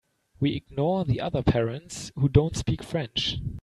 We ignore the other parents who don’t speak French.